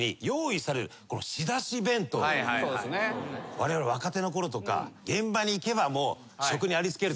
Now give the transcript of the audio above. われわれ若手のころとか現場に行けば食にありつける。